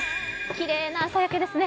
きれいな朝焼けですね。